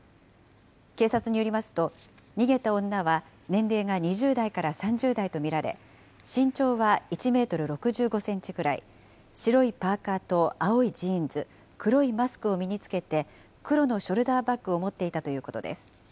警察によりますと、逃げた女は年齢が２０代から３０代と見られ、身長は１メートル６５センチぐらい、白いパーカーと青いジーンズ、黒いマスクを身に着けて、黒のショルダーバッグを持っていたということです。